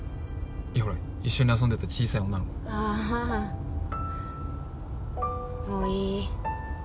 いやほら一緒に遊んでた小さい女の子ああおい